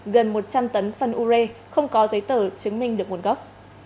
gần một trăm linh tấn phân u rê không có giấy tờ chứng minh được nguồn gốc